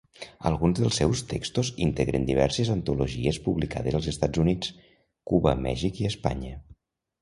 Alguns dels seus textos integren diverses antologies publicades als Estats Units, Cuba, Mèxic i Espanya.